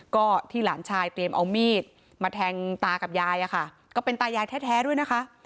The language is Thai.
ก็ที่หลานชายเตรียมเอามีดมาแทงตากับยายอะค่ะก็เป็นตายายแท้ด้วยนะคะ